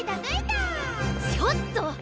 ちょっと！